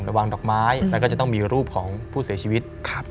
วางดอกไม้แล้วก็จะต้องมีรูปของผู้เสียชีวิต